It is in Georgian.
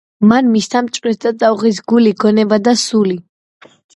მან მისთა მჭვრეტთა წაუღის გული, გონება და სული,